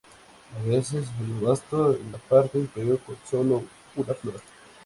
A veces, el vástago en la parte superior con sólo una flor.